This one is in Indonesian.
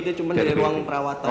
dari ruang perawatan